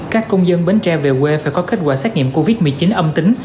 các công dân bến tre về quê phải có kết quả xét nghiệm covid một mươi chín âm tính